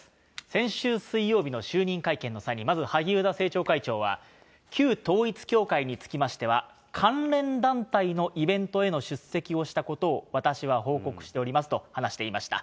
先週水曜日の就任会見の際に、まず萩生田政調会長は、旧統一教会につきましては、関連団体のイベントへの出席をしたことを私は報告しておりますと話していました。